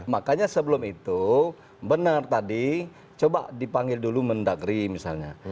makanya sebelum itu benar tadi coba dipanggil dulu mendagri misalnya